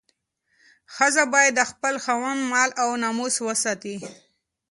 ښځه باید د خپل خاوند مال او ناموس وساتي.